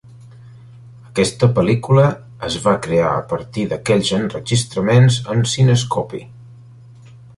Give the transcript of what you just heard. Aquesta pel·lícula es va crear a partir d'aquells enregistraments amb cinescopi.